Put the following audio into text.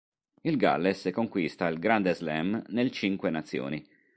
Il galles conquista il Grande Slam nel Cinque Nazioni.